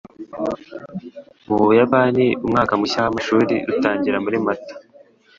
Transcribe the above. Mu Buyapani, umwaka mushya w'amashuri utangira muri Mata.